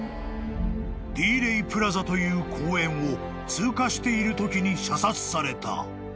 ［ディーレイプラザという公園を通過しているときに射殺された］